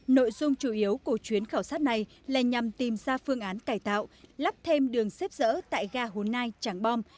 nội dung chủ yếu của chuyến khảo sát này là nhằm tìm ra phương án cải tạo lắp thêm đường xếp rỡ tại ga hồ nai tràng bom